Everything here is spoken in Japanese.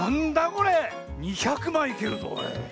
これ⁉２００まいいけるぞこれ。